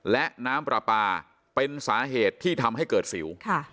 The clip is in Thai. และน้ำปลาปลาเป็นสาเหตุที่ทำให้เกิดสิว